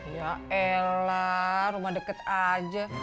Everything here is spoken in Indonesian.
ya ella rumah deket aja